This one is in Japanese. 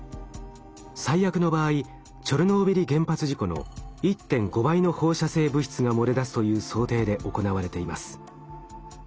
最悪の場合チョルノービリ原発事故の１．５倍の放射性物質が漏れ出すという想定で行われています。